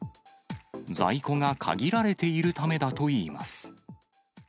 在庫が限られているためだといいます。